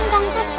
tidak ada apa